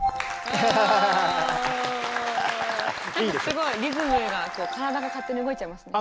なんかすごいリズムがこう体が勝手に動いちゃいますね。